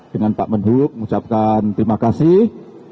dengan pak menhub mengucapkan terima kasih